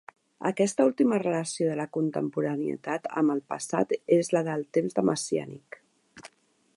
Aquesta última relació de la contemporaneïtat amb el passat és la del temps de messiànic.